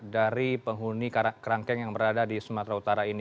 dari penghuni kerangkeng yang berada di sumatera utara ini